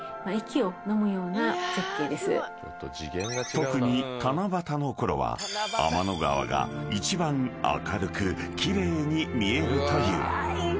［特に七夕のころは天の川が一番明るく奇麗に見えるという］